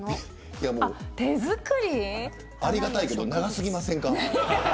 ありがたいけど長すぎませんか。